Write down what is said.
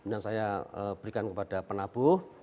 kemudian saya berikan kepada penabuh